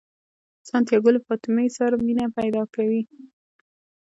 سانتیاګو له فاطمې سره مینه پیدا کوي.